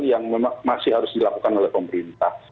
yang memang masih harus dilakukan oleh pemerintah